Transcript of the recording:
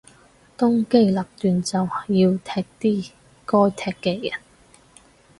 當機立斷就要踢啲該踢嘅人